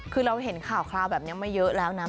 คือเราเห็นข่าวคราวแบบนี้มาเยอะแล้วนะ